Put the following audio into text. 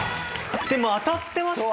でも当たってました。